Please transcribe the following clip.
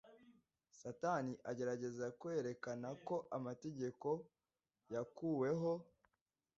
Satani agerageza kwerekana ko amategeko yakuweho